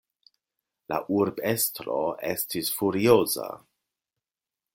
La urbestro estis furioza.